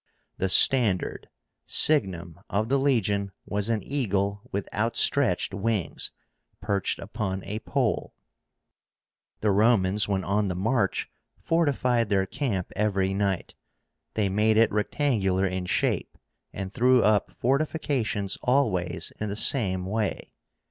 The STANDARD (signum) of the legion was an eagle with outstretched wings, perched upon a pole. The Romans when on the march fortified their camp every night. They made it rectangular in shape, and threw up fortifications always in the same way.